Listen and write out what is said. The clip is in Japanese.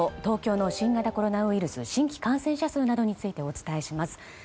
東京の新型コロナウイルスの新規感染者などについてお伝えします。